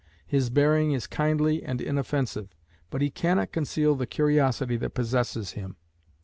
His bearing is kindly and inoffensive, but he cannot conceal the curiosity that possesses him.